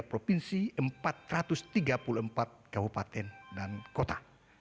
di tiga puluh tiga provinsi empat ratus tiga puluh empat kabupaten dan kota